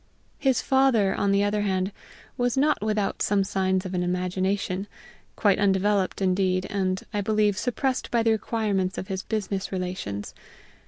His father, on the other hand, was not without some signs of an imagination quite undeveloped, indeed, and, I believe, suppressed by the requirements of his business relations.